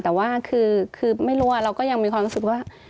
แต่ว่าคือไม่รู้ว่าเราก็ยังมีความรู้สึกว่า